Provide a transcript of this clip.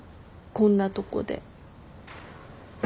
こんなとこで。